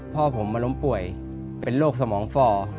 พ่อผมมาล้มป่วยเป็นโรคสมองฝ่อ